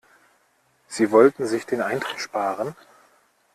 Sie wollten sich den Eintritt sparen.